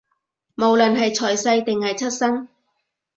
無論係財勢，定係出身